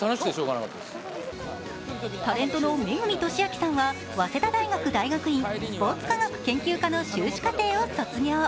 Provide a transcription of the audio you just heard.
タレントの恵俊彰さんは早稲田大学大学院スポーツ科学研究科の修士課程を卒業。